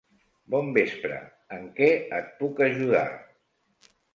Bon vespre! En què et puc ajudar?